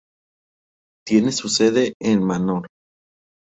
Tiene su sede en Manor.